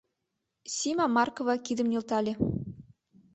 — Сима Маркова кидым нӧлтале.